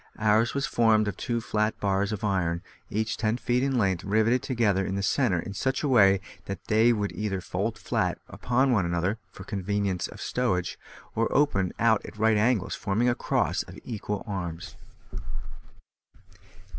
Ours was formed of two flat bars of iron, each ten feet in length, riveted together in the centre in such a way that they would either fold flat one upon the other (for convenience of stowage), or open out at right angles, forming a cross of four equal arms.